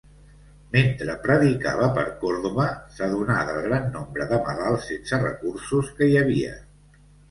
Mentre predicava per Còrdova, s'adonà del gran nombre de malalts sense recursos que hi havia.